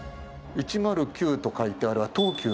１０９と書いてあれは。